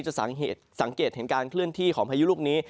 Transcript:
จะสังเกตเห็นการเคลื่อนที่ของพายุลูกนี้